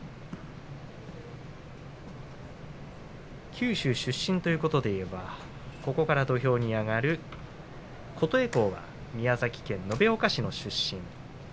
九州出身ということでいえばここから土俵に上がる琴恵光は宮崎県延岡市の出身。